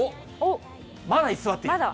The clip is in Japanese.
まだ居座っている。